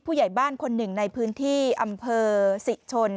ผู้ใหญ่บ้านคนหนึ่งในพื้นที่อำเภอสิชน